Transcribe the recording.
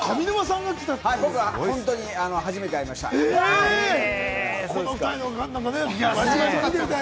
僕は本当に初めて上沼さんに会いました。